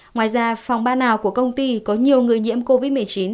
ngoài ra phòng ban nào của công ty có nhiều người nhiễm covid một mươi chín